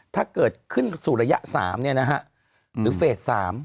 ถ้าเกิดขึ้นสู่ระยะ๓เนี่ยนะฮะหรือเฟส๓